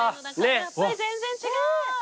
やっぱり全然違う。